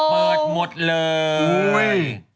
เปิดหมดเลย